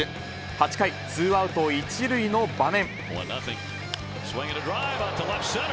８回、ツーアウト１塁の場面。